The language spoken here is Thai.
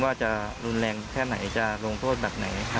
ว่าจะรุนแรงแค่ไหนจะลงโทษแบบไหน